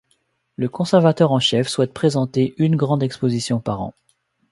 Le conservateur en chef souhaite présenter une grande exposition par an.